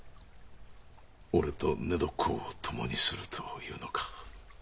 俺と寝床を共にすると言うのか？